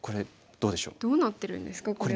どうなってるんですかこれは。